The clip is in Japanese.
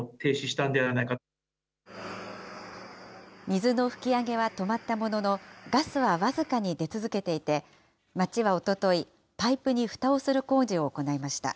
水の噴き上げは止まったものの、ガスは僅かに出続けていて、町はおととい、パイプにふたをする工事を行いました。